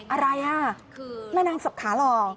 อ๋ออะไรน่ะแม่นางสับขาหล่อ